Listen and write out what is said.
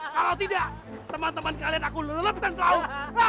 kalau tidak teman teman kalian aku lelapkan ke laut